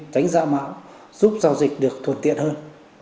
tránh giả mạo giúp giao dịch được thuận tiện hơn